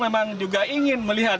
memang juga ingin melihat